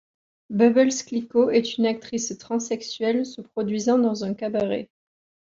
Bubbles Cliquot est une actrice transsexuelle se produisant dans un cabaret.